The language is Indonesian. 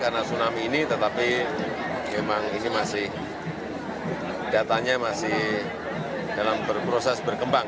karena tsunami ini tetapi memang ini masih datanya masih dalam proses berkembang